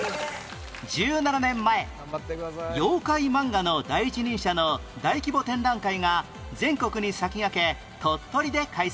１７年前妖怪漫画の第一人者の大規模展覧会が全国に先駆け鳥取で開催